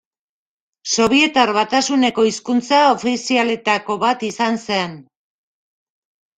Sobietar Batasuneko hizkuntza ofizialetako bat izan zen.